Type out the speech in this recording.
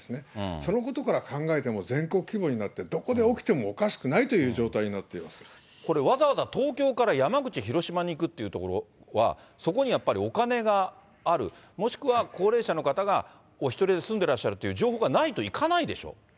そのことから考えても、全国規模になって、どこで起きてもおかしこれ、わざわざ東京から山口、広島に行くっていうところは、そこにやっぱりお金がある、もしくは高齢者の方が、お１人で住んでらっしゃるという情報がないと行かないでしょ。